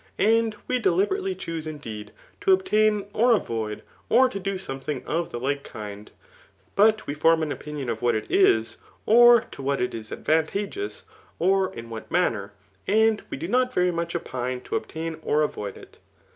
And we de Sbmtely choose indeed, to obtain, or avoid, or to do something of the like kind ; but we form an opinion of what it is, or to what it is advantageous, or in what man ner } and we do not very much opine to obtain or avoid it.